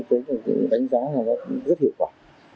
nó tùy tải đến một tính đánh giá rất hiệu quả